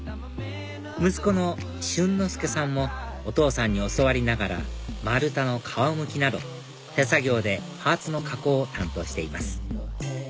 息子の駿之介さんもお父さんに教わりながら丸太の皮むきなど手作業でパーツの加工を担当しています